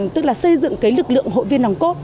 tức là xây dựng lực lượng hội viên đồng cốt